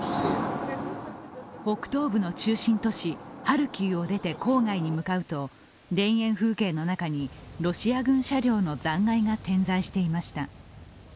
北東部の中心都市ハルキウを出て郊外に向かうと田園風景の中にロシア軍車両の残骸が点在していました。